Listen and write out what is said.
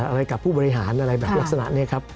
อะไรกับผู้บริหารอะไรแบบลักษณะนี้ครับ